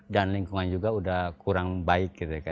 lingkungan juga sudah kurang baik